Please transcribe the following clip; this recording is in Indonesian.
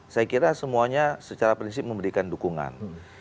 saya kira semuanya secara prinsip memberikan dukungan